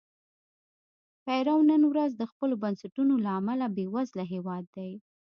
پیرو نن ورځ د خپلو بنسټونو له امله بېوزله هېواد دی.